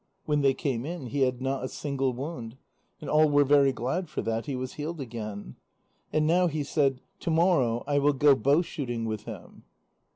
When they came in, he had not a single wound, and all were very glad for that he was healed again. And now he said: "To morrow I will go bow shooting with him."